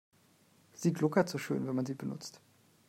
Sie gluckert so schön, wenn man sie benutzt.